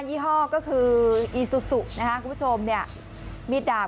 ี่ห้อก็คืออีซูซูนะคะคุณผู้ชมเนี่ยมีดดาบ